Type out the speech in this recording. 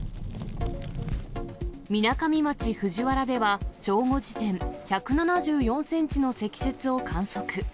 みなかみ町藤原では正午時点、１７４センチの積雪を観測。